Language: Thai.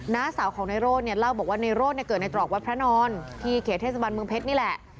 ้าสาวของนายโรธเนี่ยเล่าบอกว่าในโรธเนี่ยเกิดในตรอกวัดพระนอนที่เขตเทศบันเมืองเพชรนี่แหละ